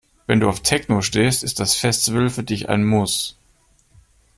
Wenn du auf Techno stehst, ist das Festival für dich ein Muss.